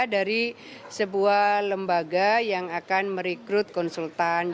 dari sebuah lembaga yang akan merekrut konsultan